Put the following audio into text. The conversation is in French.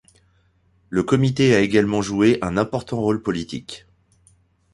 Le comité a également joué un important rôle politique.